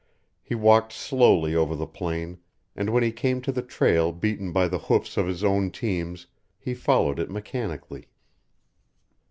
He walked slowly over the plain, and, when he came to the trail beaten by the hoofs of his own teams he followed it mechanically.